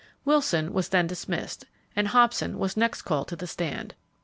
Wilson was then dismissed and Hobson was next called to the stand.